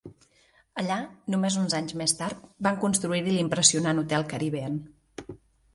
Allà, només uns anys més tard, van construir l'impressionant hotel Caribbean.